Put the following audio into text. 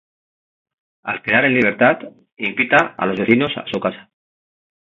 Al quedar en libertad, invita a los vecinos a su casa.